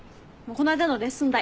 こないだのレッスン代。